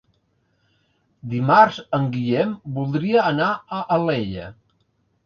Dimarts en Guillem voldria anar a Alella.